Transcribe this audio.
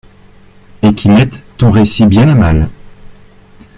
et qui mettent ton récit bien à mal.